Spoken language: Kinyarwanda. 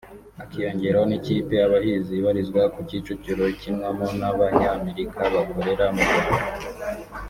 hakiyongeraho n’ikipe Abahizi ibarizwa ku Kicukiro ikinwamo n’abanyamerika bakorera mu Rwanda